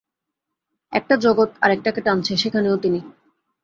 একটা জগৎ আর একটাকে টানছে, সেখানেও তিনি।